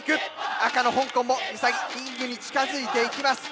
赤の香港もウサギリングに近づいていきます。